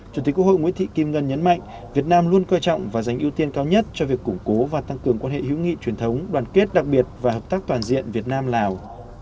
chủ tịch quốc hội nguyễn thị kim ngân nhấn mạnh việt nam luôn coi trọng và dành ưu tiên cao nhất cho việc củng cố và tăng cường quan hệ hữu nghị truyền thống đoàn kết đặc biệt và hợp tác toàn diện việt nam lào